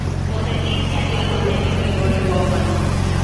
Fossati's career was ended by World War One.